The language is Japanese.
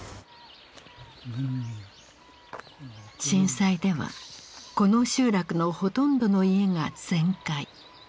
震災ではこの集落のほとんどの家が全壊。